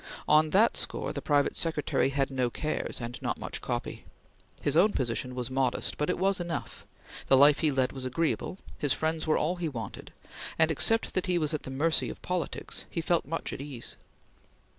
On that score the private secretary had no cares, and not much copy. His own position was modest, but it was enough; the life he led was agreeable; his friends were all he wanted, and, except that he was at the mercy of politics, he felt much at ease.